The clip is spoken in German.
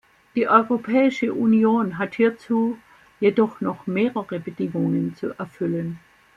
Die Europäische Union hat hierzu jedoch noch mehrere Bedingungen zu erfüllen.